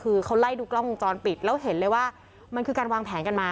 คือเขาไล่ดูกล้องวงจรปิดแล้วเห็นเลยว่ามันคือการวางแผนกันมา